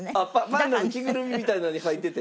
パンダの着ぐるみみたいなのに入ってて？